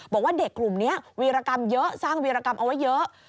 บอกว่าเด็กกลุ่มนี้วีรกรรมเยอะสร้างวีรกรรมเอาไว้เยอะ